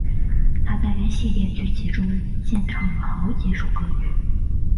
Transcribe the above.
她在该系列剧集中献唱了好几首歌曲。